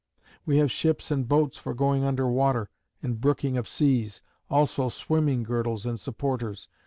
We have ships and boats for going under water, and brooking of seas; also swimming girdles and supporters.